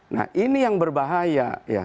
nah ini yang berbahaya